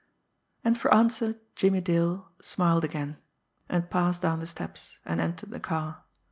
And for answer Jimmie Dale smiled again, and passed down the steps, and entered the car.